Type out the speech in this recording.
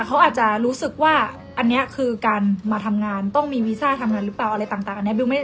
เขาอาจจะรู้สึกว่าอันนี้คือการมาทำงานต้องมีวีซ่าทำงานหรือเปล่าอะไรต่างอันนี้